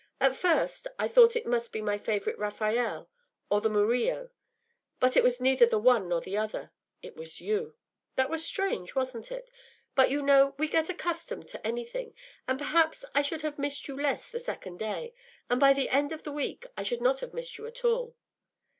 At first I thought it must be my favourite Raphael, or the Murillo; but it was neither the one nor the other; it was you. That was strange, wasn’t it? But you know we get accustomed to anything, and perhaps I should have missed you less the second day, and by the end of a week I should not have missed you at all.